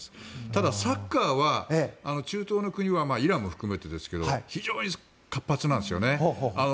ただ、サッカーは中東の国はイランも含めてですけど非常に活発なんですよね。